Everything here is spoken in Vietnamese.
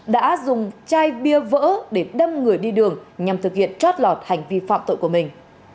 đã dùng chai bia vỡ để đâm người đi đường nhằm thực hiện trót lọt hành vi phạm tội của mình